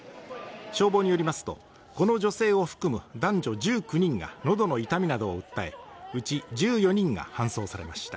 消防によりますと、この女性を含む男女１９人がのどの痛みなどを訴え、うち１４人が搬送されました。